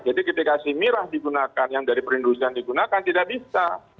jadi ketika si mirah digunakan yang dari perindustrian digunakan tidak bisa